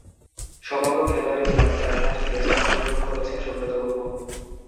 সমগ্র খেলোয়াড়ী জীবনে চারটিমাত্র টেস্টে অংশগ্রহণ করেছেন সুব্রত গুহ।